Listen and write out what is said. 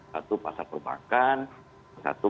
satu pasar perbakan satu